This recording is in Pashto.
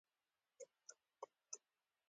شپږ ميسکاله راغلي وو.